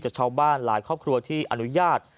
ชาวบ้านหลายครอบครัวที่อนุญาต